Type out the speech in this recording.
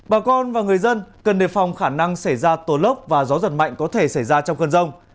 bà con và người dân cần đề phòng khả năng xảy ra tổ lốc và gió giật mạnh có thể xảy ra trong cơn rông